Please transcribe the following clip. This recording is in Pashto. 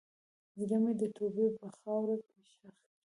زړه مې د توبې په خاوره کې ښخ شو.